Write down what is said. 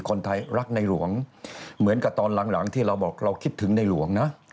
คนไทยรักในหลวงเหมือนกับตอนหลังที่เราบอกเราคิดถึงในหลวงนะ